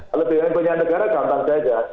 kalau bumn punya negara gampang saja